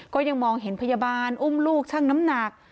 ก็ยังมองเห็นพยาบาลอุ้มลูกช่างน้ำหนัก